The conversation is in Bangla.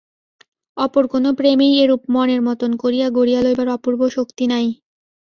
অপর কোন প্রেমেই এরূপ মনের মতন করিয়া গড়িয়া লইবার অপূর্ব শক্তি নাই।